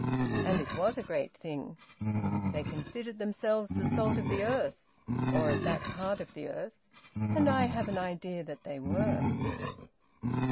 And it was a great thing. They considered themselves the salt of the earth, or of that part of the earth. And I have an idea that they were.